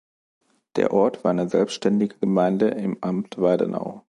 Der Ort war eine selbstständige Gemeinde im Amt Weidenau.